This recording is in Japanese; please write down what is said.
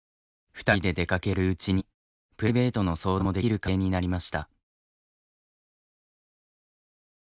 ２人で出かけるうちにプライベートの相談もできる関係になりました。